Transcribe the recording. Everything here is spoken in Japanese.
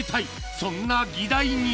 そんな議題に。